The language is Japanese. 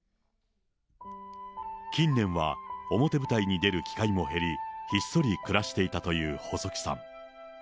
近年は表舞台に出る機会も減り、ひっそり暮らしていたという細木さん。